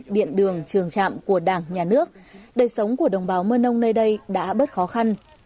điện đường trường trạm của đảng nhà nước đời sống của đồng bào mơ nông nơi đây đã bớt khó khăn